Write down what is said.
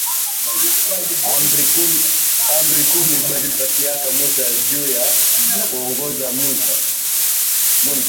Amri kumi balimupatiaka musa juya kuongoza muntu